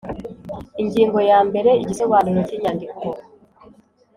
Ingingo ya mbere Igisobanuro cy inyandiko